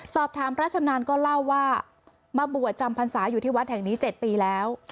พระชำนาญก็เล่าว่ามาบวชจำพรรษาอยู่ที่วัดแห่งนี้๗ปีแล้ว